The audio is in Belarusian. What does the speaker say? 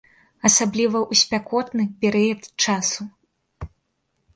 Асабліва ў спякотны перыяд часу.